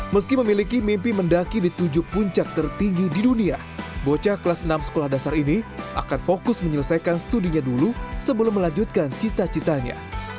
meski memiliki mimpi mendaki di tujuh puncak tertinggi di dunia bocah kelas enam sekolah dasar ini akan fokus menyelesaikan studinya dulu sebelum melanjutkan cita citanya